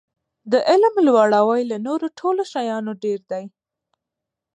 د علم لوړاوی له نورو ټولو شیانو ډېر دی.